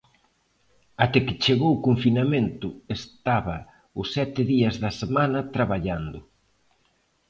Até que chegou o confinamento estaba os sete días da semana traballando.